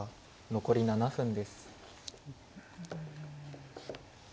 残り７分です。